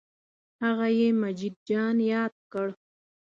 هغه یې مجید جان یاد کړ.